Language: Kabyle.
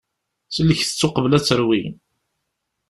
Sellket-tt uqbel ad terwi.